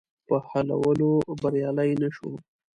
په حلولو بریالی نه شو.